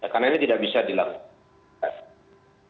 karena ini tidak bisa dilakukan